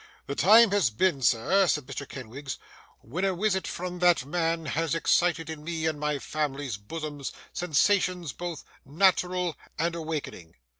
The time has been, sir,' said Mr. Kenwigs, 'when a wisit from that man has excited in me and my family's boozums sensations both nateral and awakening.